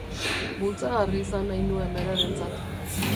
Bultzagarri izan nahi nuen berarentzat.